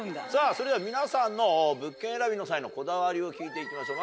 それでは皆さんの物件選びの際のこだわりを聞いていきましょう